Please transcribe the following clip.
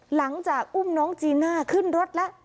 หลังจากอุ้มน้องจีน่าขึ้นรถแล้ว